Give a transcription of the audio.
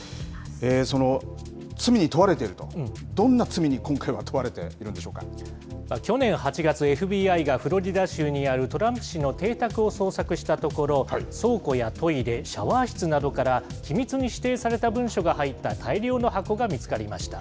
その罪に問われていると、どんな罪に今回は問われているんでしょ去年８月、ＦＢＩがフロリダ州にあるトランプ氏の邸宅を捜索したところ、倉庫やトイレ、シャワー室などから、機密に指定された文書が入った大量の箱が見つかりました。